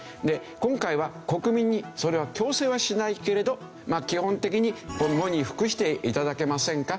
今回は国民にそれは強制はしないけれど基本的に喪に服して頂けませんか？